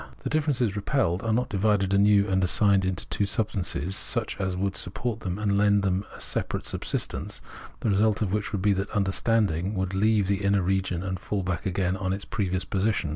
The differences repelled are not divided anew and assigned to two substances such as would support them and lend them a separate subsistence, the result of which would be that understandiag would leave the iuner region, and fall back again on its previous position.